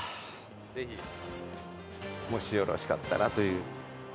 「ぜひもしよろしかったら」という。